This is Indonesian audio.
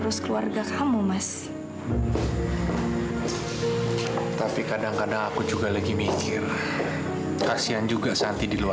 bu itu udah utang utang bujubannya